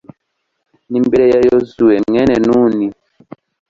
n'imbere ya yozuwe mwene nuni